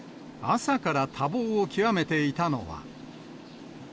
朝から多忙を極めていたのは。